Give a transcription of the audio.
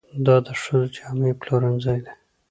دا د ښځو جامې پلورنځی دی.